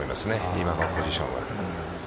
今のポジションは。